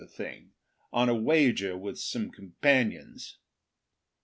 1 4 thing, on a wager with some companions.